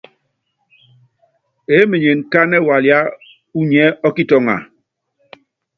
Eé menyen kánɛ waliá unyi ɛ ɔ́kitɔŋa?